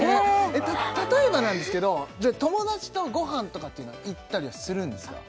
例えばなんですけど友達とごはんとかっていうのは行ったりはするんですか？